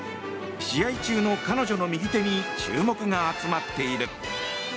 試合中の彼女の右手に注目が集まっている。